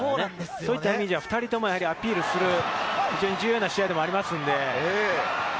そういった意味では２人ともアピールする重要な試合でもあります。